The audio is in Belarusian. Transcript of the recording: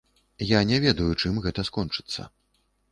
Я не ведаю, чым гэта скончыцца.